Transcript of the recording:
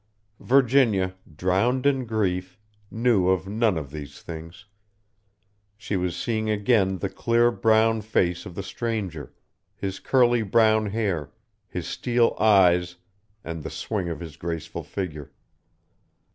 Virginia, drowned in grief, knew of none of these things. She was seeing again the clear brown face of the stranger, his curly brown hair, his steel eyes, and the swing of his graceful figure.